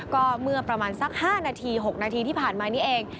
ก็เมื่อประมาณสัก๕นาที๖นาทีที่ผ่านมานี้เอง